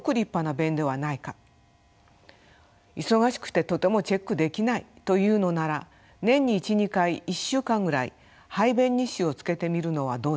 忙しくてとてもチェックできないというのなら年に１２回１週間ぐらい排便日誌をつけてみるのはどうでしょうか。